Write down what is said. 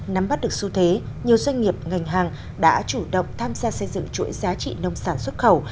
nắm bắt được xu thế nhiều doanh nghiệp ngành hàng đã chủ động tham gia xây dựng chuỗi giá trị nông sản xuất khẩu